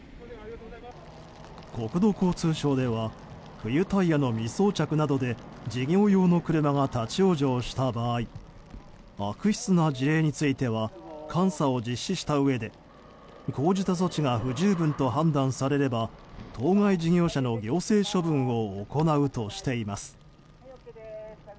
国土交通省では冬タイヤの未装着などで事業用の車が立ち往生した場合悪質な事例については監査を実施したうえで講じた措置が不十分と判断されれば当該事業者の行政処分を行うとしています。